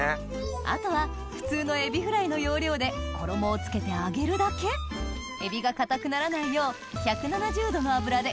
あとは普通のエビフライの要領で衣を付けて揚げるだけエビが硬くならないようわ